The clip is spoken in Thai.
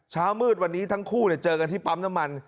เช้ามืดวันนี้ทั้งคู่เจอกันที่ปั๊มน้ำมัน